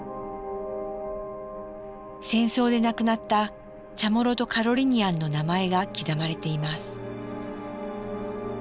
戦争で亡くなったチャモロとカロリニアンの名前が刻まれています。